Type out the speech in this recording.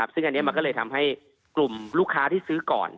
ซึ่งอันนี้มันก็เลยทำให้กลุ่มลูกค้าที่ซื้อก่อน